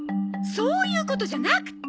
そういうことじゃなくって！